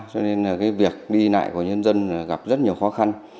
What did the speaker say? cho nên việc đi lại của nhân dân gặp rất nhiều khó khăn